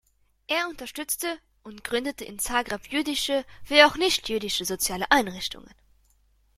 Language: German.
Er unterstützte und gründete in Zagreb jüdische wie auch nichtjüdische soziale Einrichtungen.